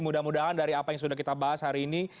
mudah mudahan dari apa yang sudah kita bahas hari ini